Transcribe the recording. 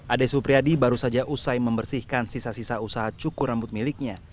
ade supriyadi baru saja usai membersihkan sisa sisa usaha cukur rambut miliknya